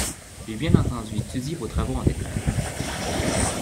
J’ai bien entendu étudié vos travaux en détail